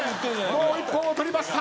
もう一本を取りました。